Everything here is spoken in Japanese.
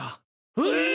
えっ！？